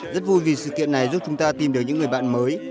rất vui vì sự kiện này giúp chúng ta tìm được những người bạn mới